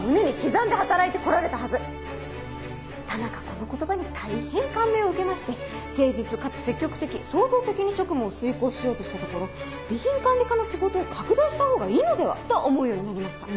この言葉に大変感銘を受けまして誠実かつ積極的創造的に職務を遂行しようとしたところ備品管理課の仕事を拡大したほうがいいのではと思うようになりました。